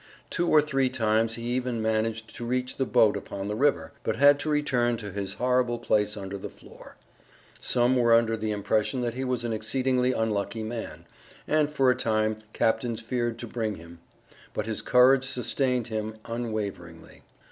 Two or three times he even managed to reach the boat upon the river, but had to return to his horrible place under the floor. Some were under the impression that he was an exceedingly unlucky man, and for a time captains feared to bring him. But his courage sustained him unwaveringly.